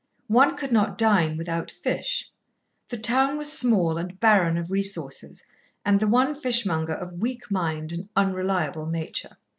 One could not dine without fish; the town was small and barren of resources, and the one fishmonger of weak mind and unreliable nature.